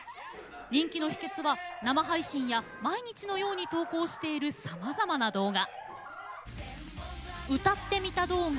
人気の秘けつは生配信や毎日のように投稿しているさまざまな動画。